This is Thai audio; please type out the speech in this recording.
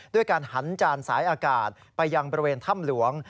ด้วยการหันจานสายอากาศไปยังบริเวณถ้ำหลวง